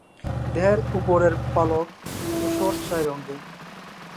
দেহের ওপরের পালক ধূসর ছাই রঙের।